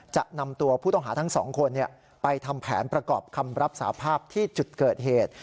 จะนำตัวผู้ต้องหาทั้งสองคนไปทำแผนประกอบคำรับสาภาพที่จุดเกิดเหตุ